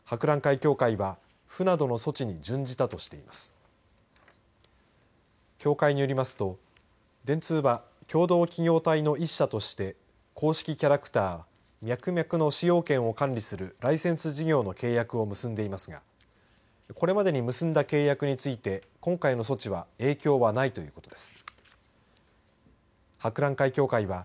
協会によりますと電通は共同企業体の１社として公式キャラクターミャクミャクの使用権を管理するライセンス事業の契約を結んでいますがこれまでに結んだ契約について今回の措置には影響はないということです。